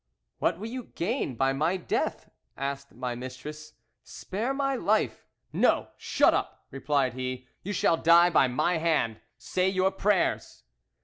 'What will you gain by my death?' asked my mistress. 'Spare my life.'—'No; shut up!' replied he. 'You shall die by my hand. Say your prayers.